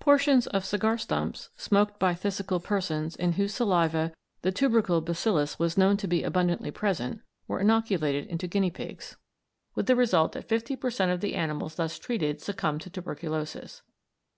Portions of cigar stumps smoked by phthisical persons in whose saliva the tubercle bacillus was known to be abundantly present were inoculated into guinea pigs, with the result that fifty per cent. of the animals thus treated succumbed to tuberculosis.